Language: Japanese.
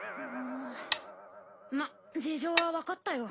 まっ事情はわかったよ。